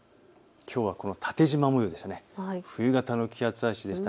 きょうはこの縦じま模様でした。